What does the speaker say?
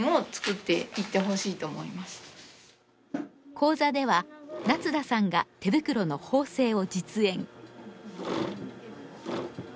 講座では夏田さんが手袋の縫製を実演。